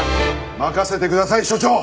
任せてください署長！